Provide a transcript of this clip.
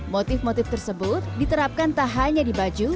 motif motif tersebut diterapkan tak hanya di baju